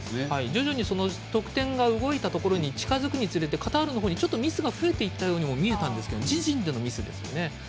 徐々に得点が動いたところに近づくにつれてカタールのほうにミスが増えたように見えたんですけど自陣でのミスですよね。